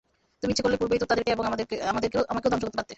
তুমি ইচ্ছে করলে পূর্বেই তো তাদেরকে এবং আমাকেও ধ্বংস করতে পারতে।